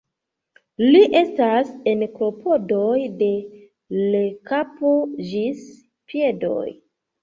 Li estas en klopodoj de l' kapo ĝis piedoj.